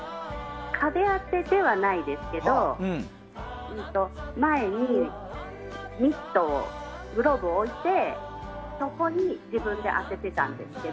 壁当てではないですけど前にミット、グローブを置いてそこに自分で当ててたんですけど。